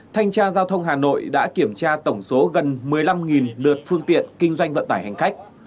thanh tra giao thông hà nội đã kiểm tra tổng số gần một mươi năm lượt phương tiện kinh doanh vận tải hành khách